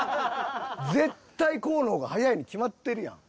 絶対こうの方が速いに決まってるやん。